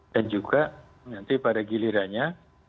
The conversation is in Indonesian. dan juga nanti pada gilirannya